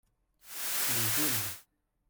les jaunes.